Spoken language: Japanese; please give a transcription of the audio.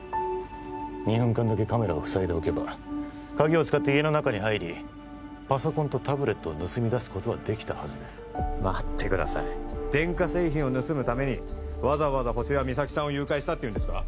２分間だけカメラをふさいでおけば鍵を使って家の中に入りパソコンとタブレットを盗みだすことはできたはずです待ってください電化製品を盗むためにわざわざホシが実咲さんを誘拐したっていうんですか？